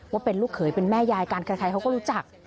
ว่าเป็นลูกเขยเป็นแม่ยายกันใครเขาก็รู้จัก